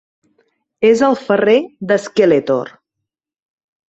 És el ferrer de Skeletor.